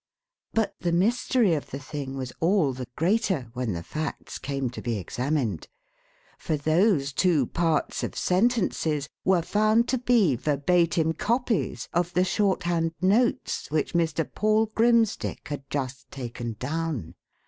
But the mystery of the thing was all the greater when the facts came to be examined. For those two parts of sentences were found to be verbatim copies of the shorthand notes which Mr. Paul Grimsdick had just taken down.